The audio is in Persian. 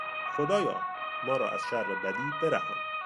خدایا - ما را از شر بدی برهان.